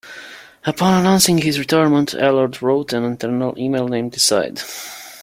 Upon announcing his retirement, Allard wrote an internal email named Decide.